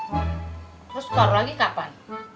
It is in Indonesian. terus skor lagi kapan